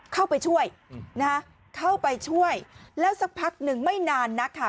เข้าไปช่วยนะฮะเข้าไปช่วยแล้วสักพักหนึ่งไม่นานนักค่ะ